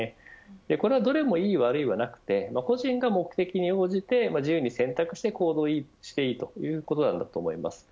これは、どれもいい悪いはなくて個人が目的に応じて自由に選択して行動していいということなんだと思います。